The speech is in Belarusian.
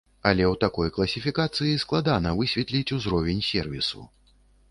Але ў такой класіфікацыі складана высветліць узровень сервісу.